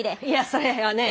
それはねぇ。